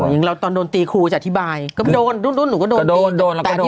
ก็มีภาคนี้ทำอะไร